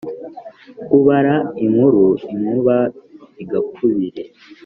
kubara inkuru inkuba igakubire